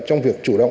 trong việc chủ động